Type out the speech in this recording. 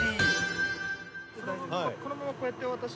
・このままこうやって。